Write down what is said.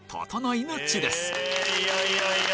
いやいやいやいや！